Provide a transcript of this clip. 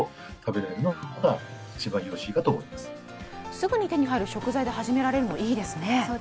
すぐに手に入る食材で始められるのはいいですね。